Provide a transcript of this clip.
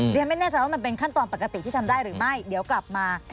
เรียนไม่แน่ใจว่ามันเป็นขั้นตอนปกติที่ทำได้หรือไม่เดี๋ยวกลับมา